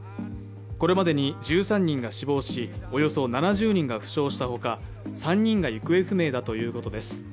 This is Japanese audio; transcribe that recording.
これまでに１３人が死亡し、およそ７０人が負傷したほか、３人が行方不明だということです。